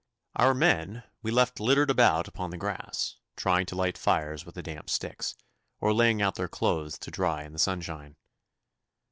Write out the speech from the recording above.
Our men we left littered about upon the grass, trying to light fires with the damp sticks, or laying out their clothes to dry in the sunshine.